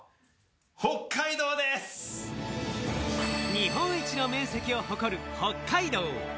日本一の面積を誇る、北海道。